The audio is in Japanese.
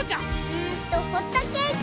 うんとホットケーキ！